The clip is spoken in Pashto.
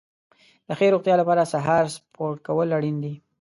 د ښې روغتیا لپاره سهار سپورت کول اړین دي.